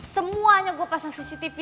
semuanya gue pasang cctv